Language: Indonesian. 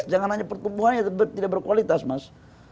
jangan hanya pertumbuhannya tidak berkualitas mas